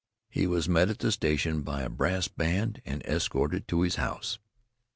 He was met at the station by a brass band and escorted to his house.